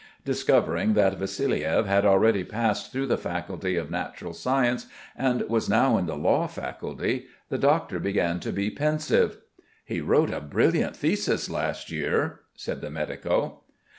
Discovering that Vassiliev had already passed through the faculty of natural science and was now in the Law faculty, the doctor began to be pensive.... "He wrote a brilliant thesis last year...." said the medico.